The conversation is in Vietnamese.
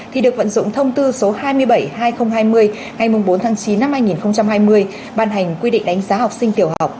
thì được vận dụng thông tư số hai mươi bảy hai nghìn hai mươi ngày bốn tháng chín năm hai nghìn hai mươi bàn hành quy định đánh giá học sinh tiểu học